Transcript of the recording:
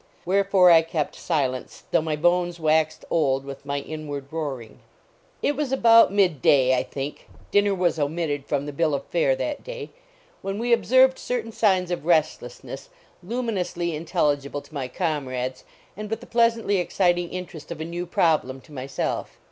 Wherefore I kept silence, though my bones waxed old with my inward roaring. It was about midday, I think dinner was omitted from the bill of fare that day when 208 LAUREL AND CYPRESS \ve observed certain signs of restlessness, luminously intelligible to my comrades and with the pleasantly exciting interest of a new problem to myself.